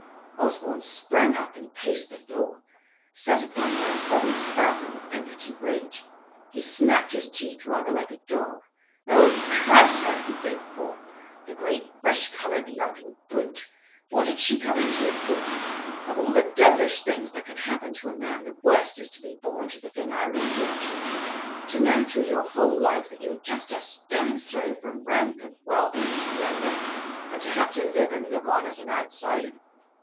Osborn sprang up and paced the floor, set upon by a sudden spasm of impotent rage. He snapped his teeth rather like a dog. "Oh! curse her!" he gave forth. "The great, fresh coloured lumping brute! What did she come into it for? Of all the devilish things that can happen to a man, the worst is to be born to the thing I was born to. To know through your whole life that you're just a stone's throw from rank and wealth and splendour, and to have to live and look on as an outsider.